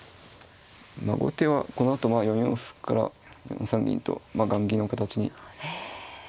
後手はこのあと４四歩から４三銀とまあ雁木の形にする。